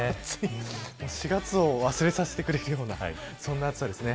４月を忘れさせてくれるようなそんな暑さです。